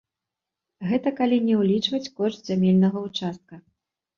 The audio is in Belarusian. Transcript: Гэта калі не ўлічваць кошт зямельнага ўчастка.